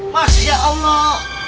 mas ya allah